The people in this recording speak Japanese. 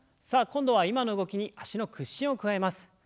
さあ今度は今の動きに脚の屈伸を加えます。